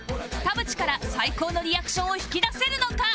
田渕から最高のリアクションを引き出せるのか？